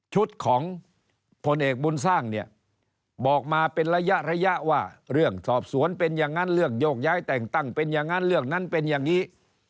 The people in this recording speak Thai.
ชุดของพลเอกบุญสร้างเนี่ยบอกมาเป็นระยะระยะว่าเรื่องสอบสวนเป็นอย่างนั้นเรื่องโยกย้ายแต่งตั้งเป็นอย่างนั้นเรื่องนั้นเป็นอย่างนี้